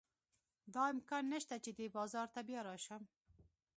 دا امکان نه شته چې دې بازار ته بیا راشم.